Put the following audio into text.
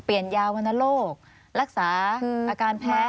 เปลี่ยนยาวรรณโรครักษาอาการแพ้